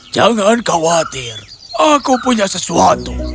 jangan khawatir aku punya sesuatu